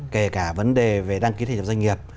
kể cả vấn đề về đăng ký thị trường doanh nghiệp